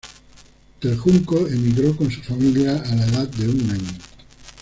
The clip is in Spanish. Del Junco emigró con su familia a la edad de un año.